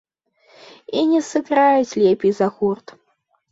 І не сыграюць лепей за гурт.